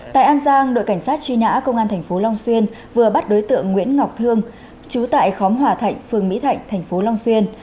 tại an giang đội cảnh sát truy nã công an tp long xuyên vừa bắt đối tượng nguyễn ngọc thương chú tại khóm hòa thạnh phường mỹ thạnh tp long xuyên